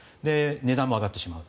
値段も上がってしまう。